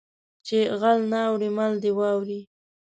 چې غل نه اوړي مال دې واوړي